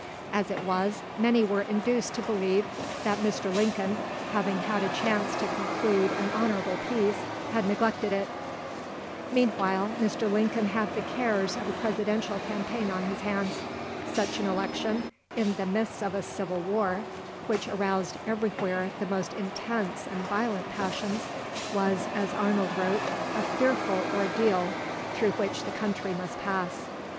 As it was, many were induced to believe that Mr. Lincoln, having had a chance to conclude an honourable peace, had neglected it. Meanwhile, Mr. Lincoln had the cares of a Presidential campaign on his hands. Such an election, in the midst of a civil war which aroused everywhere the most intense and violent passions, was, as Arnold wrote, a fearful ordeal through which the country must pass.